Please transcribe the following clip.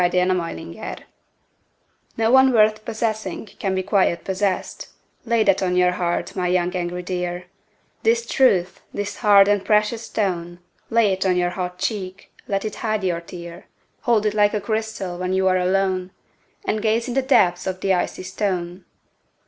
0 Autoplay No one worth possessing Can be quite possessed; Lay that on your heart, My young angry dear; This truth, this hard and precious stone, Lay it on your hot cheek, Let it hide your tear. Hold it like a crystal When you are alone And gaze in the depths of the icy stone.